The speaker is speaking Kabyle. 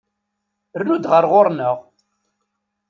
Rnu-d ɣer ɣur-neɣ!